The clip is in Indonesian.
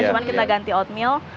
cuman kita ganti oatmeal